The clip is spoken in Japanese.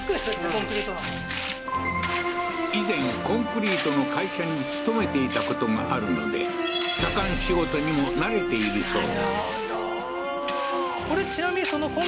コンクリートの以前コンクリートの会社に勤めていたこともあるので左官仕事にも慣れているそうだ